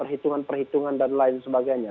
perhitungan perhitungan dan lain sebagainya